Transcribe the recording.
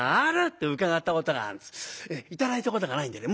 頂いたことがないんでね